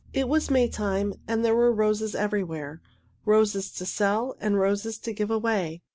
It was Maytime, and there were roses everywhere roses to sell and roses to give away.